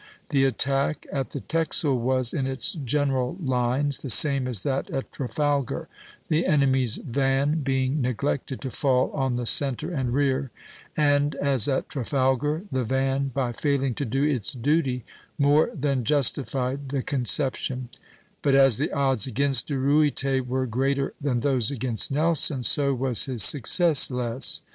The attack at the Texel was, in its general lines, the same as that at Trafalgar, the enemy's van being neglected to fall on the centre and rear, and as at Trafalgar the van, by failing to do its duty, more than justified the conception; but as the odds against De Ruyter were greater than those against Nelson, so was his success less.